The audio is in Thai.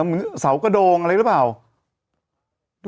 มันไง